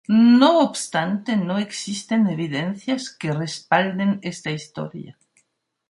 No obstante, no existen evidencias que respalden esta historia.